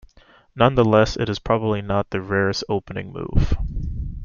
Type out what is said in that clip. Nonetheless, it is probably not the rarest opening move.